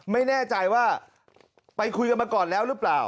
ไม่แน่ใจว่าไปคุยกันมาก่อนแล้วหรือเปล่า